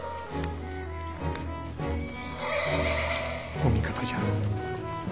・お味方じゃ。